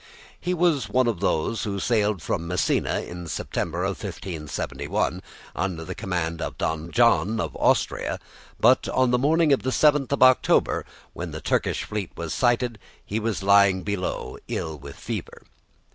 He was one of those that sailed from Messina, in September 1571, under the command of Don John of Austria; but on the morning of the 7th of October, when the Turkish fleet was sighted, he was lying below ill with fever.